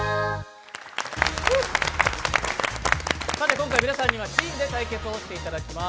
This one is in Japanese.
今回皆さんにはチームで対決をしていただきます。